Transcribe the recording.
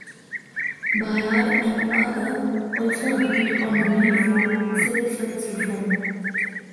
Bayard and Arthur also agreed on the need for civil service reform.